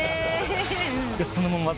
そのまま。